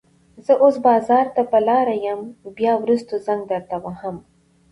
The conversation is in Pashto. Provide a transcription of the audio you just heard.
زه اوس بازار ته په لاره يم، بيا وروسته زنګ درته وهم.